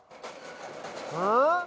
うん？